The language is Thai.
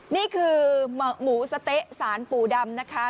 นี่คือหมูสะเต๊ะสารปู่ดำนะคะ